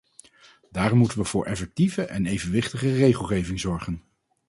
Daarom moeten we voor effectieve en evenwichtige regelgeving zorgen.